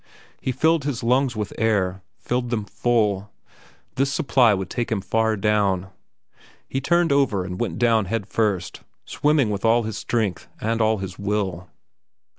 He filled his lungs with air, filled them full. This supply would take him far down. He turned over and went down head first, swimming with all his strength and all his will.